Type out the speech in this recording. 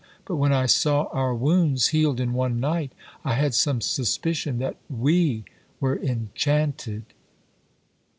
But when I saw our wounds healed in one night, I had some suspicion that WE were enchanted."